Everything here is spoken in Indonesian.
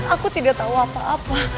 aku tidak tahu apa apa